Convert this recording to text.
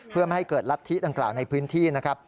เพื่อไม่ให้เกิดลัทธิดังกล่าวในพื้นที่นะครับ